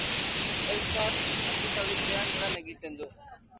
Elkar argitaletxean lan egiten du.